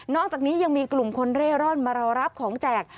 อกจากนี้ยังมีกลุ่มคนเร่ร่อนมารอรับของแจก